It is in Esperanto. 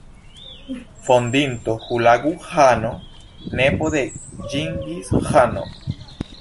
Fondinto Hulagu-Ĥano, nepo de Ĝingis-Ĥano.